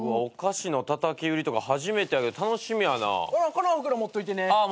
この袋持っといてね。